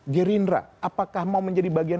gerindra apakah mau menjadi bagian